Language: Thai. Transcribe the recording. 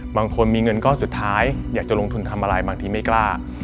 บางคนมีเงินก้อนสุดท้ายอยากจะลงทุนทำอะไรบางทีไม่กล้า